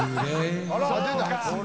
「出た」